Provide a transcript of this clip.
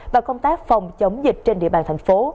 và công tác phòng chống dịch trên địa bàn thành phố